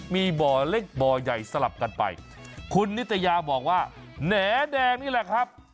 มีบ่อเล็กบ่อใหญ่สลับกันไปคุณนิตยาบอกว่าแหน่แดงนี่แหละครับ